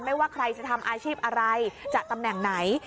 ว่าใครจะทำอาชีพอะไรจะตำแหน่งไหน